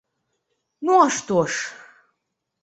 Ну, а што ж?